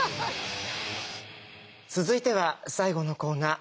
続いては最後のコーナー